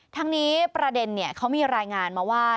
ทั้งนี้ประเด็นเขามีรายงานมาว่า